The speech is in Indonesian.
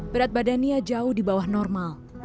berat badannya jauh di bawah normal